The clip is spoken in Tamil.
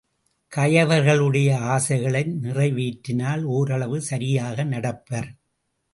கயவர்களுடைய ஆசைகளை நிறைவேற்றினால் ஒரளவு சரியாக நடப்பர்.